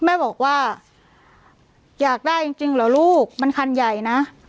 แม่บอกว่าอยากได้จริงเหรอลูกมันคันใหญ่นะ